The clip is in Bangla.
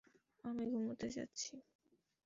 আমি ঘুমাতে যাচ্ছি।